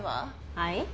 はい？